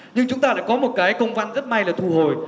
nhưng chúng ta đã có một công văn rất may là thù hồi